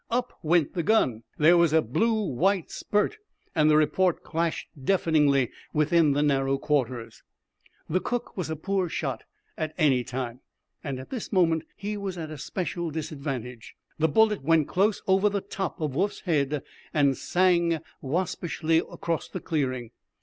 Up went the gun. There was a blue white spurt, and the report clashed deafeningly within the narrow quarters. The cook was a poor shot at any time, and at this moment he was at a special disadvantage. The bullet went close over the top of Woof's head and sang waspishly across the clearing.